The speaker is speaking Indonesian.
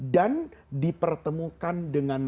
dan dipertemukan dengan